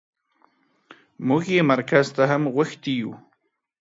موږ يې مرکز ته هم غوښتي يو.